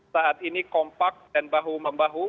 saat ini kompak dan bahu membahu